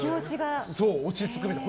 落ち着くみたいな。